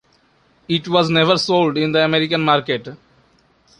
It was never sold in the American market.